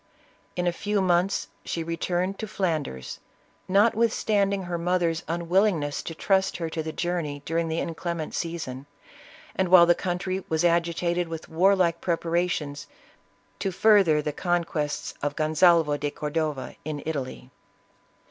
In a few months, she returned to Flanders, notwithstanding her mother's unwillingness to trust her to the journey during the inclement season, and while the country was agitated with warlike preparations to further the conquests of Gonsalvo de Cordova, in Italy.